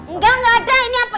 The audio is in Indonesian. enggak enggak ada ini apa